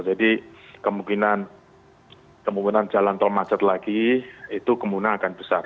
jadi kemungkinan jalan tol macet lagi itu kemungkinan akan besar